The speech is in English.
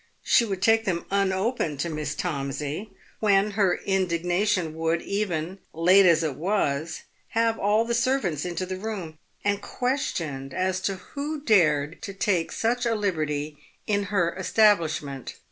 She would take them un opened to Miss Tomsey, when her indignation would, even late as it 230 PAVED WITH GOLD. was, have all the servants into the room, and questioned as to who dared to take such a liberty in her establishment.